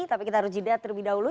tapi kita harus jeda terlebih dahulu